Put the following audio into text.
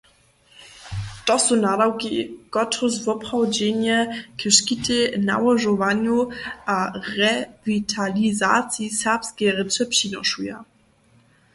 To su nadawki, kotrychž zwoprawdźenje k škitej, nałožowanju a rewitalizaciji serbskeje rěče přinošuje.